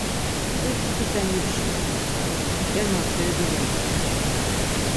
Tzi tipiten yipşu iri k̆ele, germa steri dulya miğun.